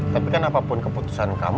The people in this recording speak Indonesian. tapi kan apapun keputusan kamu